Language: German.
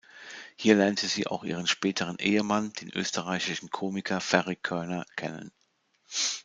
Hier lernte sie auch ihren späteren Ehemann, den österreichischen Komiker Ferry Körner kennen.